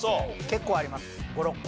結構あります。